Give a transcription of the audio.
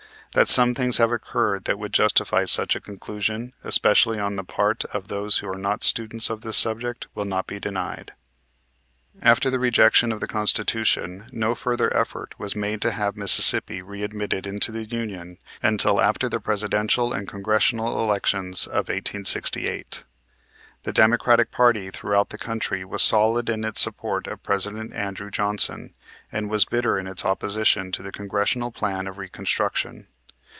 That some things have occurred that would justify such a conclusion, especially on the part of those who are not students of this subject, will not be denied. After the rejection of the Constitution no further effort was made to have Mississippi readmitted into the Union until after the Presidential and Congressional elections of 1868. The Democratic party throughout the country was solid in its support of President Andrew Johnson, and was bitter in its opposition to the Congressional Plan of Reconstruction.